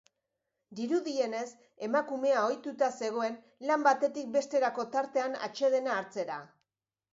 Dirudienez, emakumea ohituta zegoen lan batetik besterako tartean atsedena hartzera.